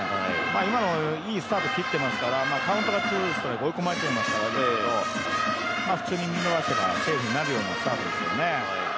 今のもいいスタート切っていますからカウントがツーストライク、追い込まれていますけど普通に見逃せばセーフになるようなものですね。